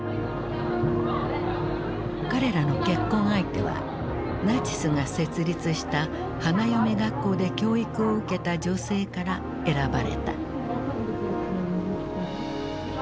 彼らの結婚相手はナチスが設立した花嫁学校で教育を受けた女性から選ばれた。